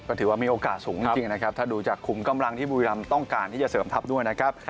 ก็ถือว่ามีโอกาสสูงจริงนะครับถ้าดูจากขุมกำลังที่บุรีรำต้องการที่จะเสริมทัพด้วยนะครับ